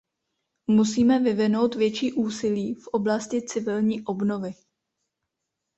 Musíme vyvinout větší úsilí v oblasti civilní obnovy.